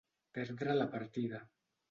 Perdre la partida.